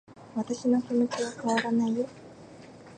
私の気持ちは変わらないよ